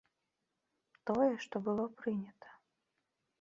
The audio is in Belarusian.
Тое, што было прынята.